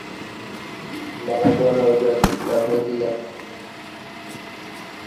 Maradona yuraksiz dafn etilgani ma’lum bo‘ldi